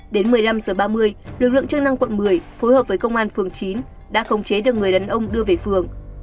đến một mươi năm h ba mươi lực lượng chức năng quận một mươi phối hợp với công an phường chín đã khống chế được người đàn ông đưa về phường